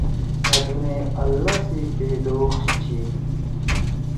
أ دُنئی اللّہ سی پیداوخت چھی۔